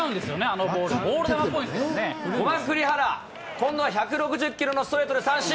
今度は１６０キロのストレートで三振。